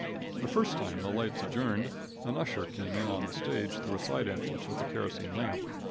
The first time the lights adjourned, an usher came in on the stage through a side entrance with a kerosene lamp.